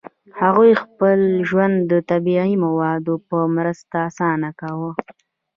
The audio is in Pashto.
هغوی خپل ژوند د طبیعي موادو په مرسته اسانه کاوه.